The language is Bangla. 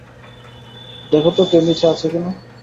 দেখো তো কেউ নিচে আছে কি-না।